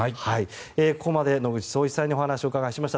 ここまで野口聡一さんにお話をお伺いしました。